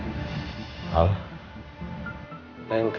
saya minta maaf atas kejadian tersebut